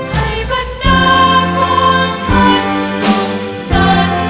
ไทยบรรดาพวกท่านสุขสันต์